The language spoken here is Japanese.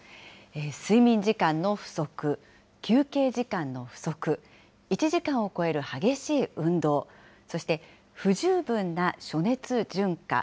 睡眠時間の不足、休憩時間の不足、１時間を超える激しい運動、そして不十分な暑熱順化。